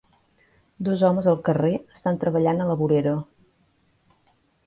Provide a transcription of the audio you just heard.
Dos homes al carrer estan treballant a la vorera.